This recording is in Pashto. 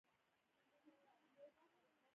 سرحد د جنګ په وسیله تقویه کړي.